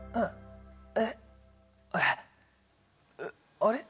あれ？